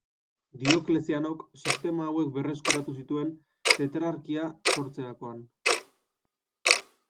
Dioklezianok sistema hauek berreskuratu zituen Tetrarkia sortzerakoan.